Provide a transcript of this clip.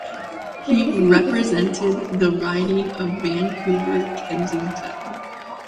He represented the riding of Vancouver - Kensington.